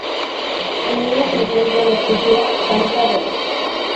En ella se encuentra la escultura "Panta rei".